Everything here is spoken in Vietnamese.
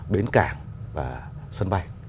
bến cảng và sân bay